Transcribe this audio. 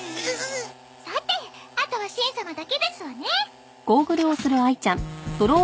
さてあとはしん様だけですわね。